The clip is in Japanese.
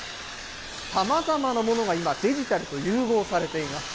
さまざまなものが今、デジタルと融合されています。